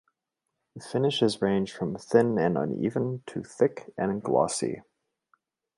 Finishes range from thin and uneven to thick and glossy.